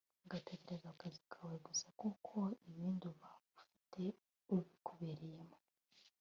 ugatekereza kukazi kawe gusa kuko ibindi uba ufite ubikubereyemo